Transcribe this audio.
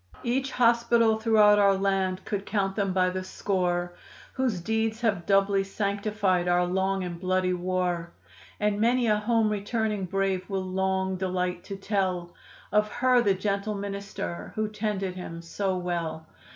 '" Each hospital throughout our land could count them by the score Whose deeds have doubly sanctified our long and bloody war, And many a home returning brave will long delight to tell Of her, the gentle minister, who tended him so well.